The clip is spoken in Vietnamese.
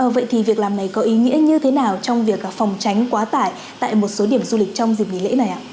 vậy thì việc làm này có ý nghĩa như thế nào trong việc phòng tránh quá tải tại một số điểm du lịch trong dịp nghỉ lễ này ạ